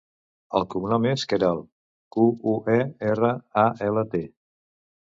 El cognom és Queralt: cu, u, e, erra, a, ela, te.